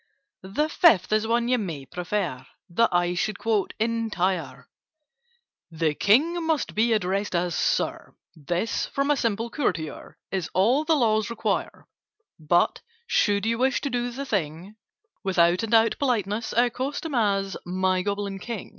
"The Fifth is one you may prefer That I should quote entire:— The King must be addressed as 'Sir.' This, from a simple courtier, Is all the Laws require: "But, should you wish to do the thing With out and out politeness, Accost him as 'My Goblin King!